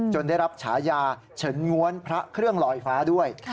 ได้รับฉายาเฉินง้วนพระเครื่องลอยฟ้าด้วย